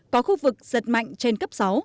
có khu vực giật mạnh trên cấp sáu